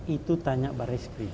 itu tanya baris krim